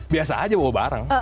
biasa aja bawa barang